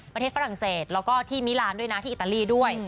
ประเทศฝรั่งเศสและมีร้านอิตาลีด้วย